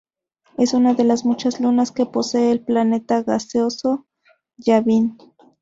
Es una de las muchas lunas que posee el planeta gaseoso Yavin.